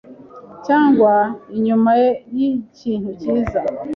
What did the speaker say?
cyangwa inyuma yikintu cyiza,